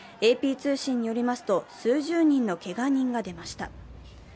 ＡＰ通信によりますと数十人のけが人が出ました。